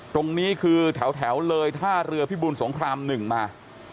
ตรงนี้คือแถวเลยท่าเรือพิบูลสงคราม๑มา